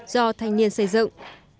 do thanh niên xây dựng